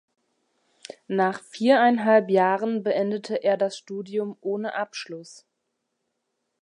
Nach viereinhalb Jahren beendete er das Studium ohne Abschluss.